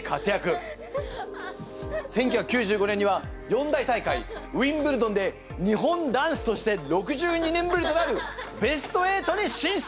１９９５年には四大大会ウィンブルドンで日本男子として６２年ぶりとなるベスト８に進出！